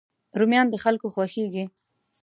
رومیان د خلکو خوښېږي